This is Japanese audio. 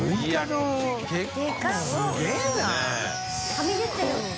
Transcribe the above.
はみ出てるもん。